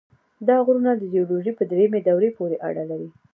دا غرونه د جیولوژۍ په دریمې دورې پورې اړه لري.